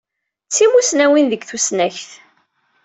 D timussnawin deg tussnakt.